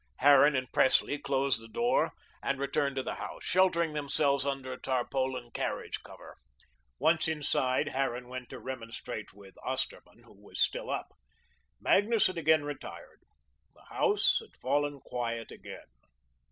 Harran and Presley closed the barn and returned to the house, sheltering themselves under a tarpaulin carriage cover. Once inside, Harran went to remonstrate with Osterman, who was still up. Magnus had again retired. The house had fallen quiet again.